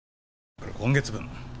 これ今月分。